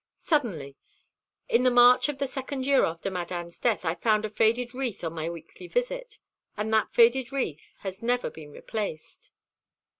"Suddenly. In the March of the second year after Madame's death I found a faded wreath on my weekly visit, and that faded wreath has never been replaced."